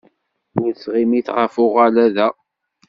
Ur ttɣimit ɣef uɣalad-a.